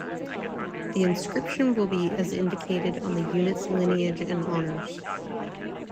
The inscription will be as indicated on the unit's lineage and honors.